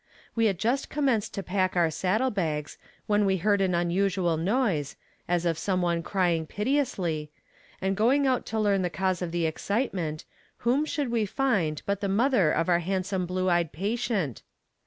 We had just commenced to pack our saddle bags, when we heard an unusual noise, as of some one crying piteously, and going out to learn the cause of the excitement, whom should we find but the mother of our handsome blue eyed patient.